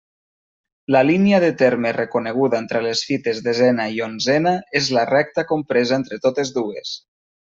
La línia de terme reconeguda entre les fites desena i onzena és la recta compresa entre totes dues.